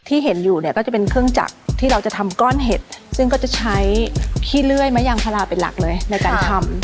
ที่เห็นอยู่เนี่ยก็จะเป็นเครื่องจักรที่เราจะทำก้อนเห็ดซึ่งก็จะใช้ขี้เลื่อยไม้ยางพลาเป็นหลักเลยในการทำ